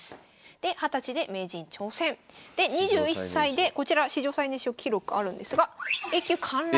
で２０歳で名人挑戦。で２１歳でこちら史上最年少記録あるんですがＡ級陥落。